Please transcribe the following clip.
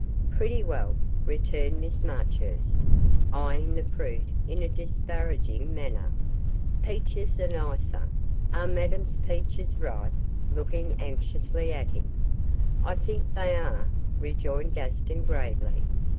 'Pretty well,' returned Miss Marchurst, eyeing the fruit in a disparaging manner; 'peaches are nicer; are Madame's peaches ripe?' looking anxiously at him. 'I think they are,' rejoined Gaston, gravely.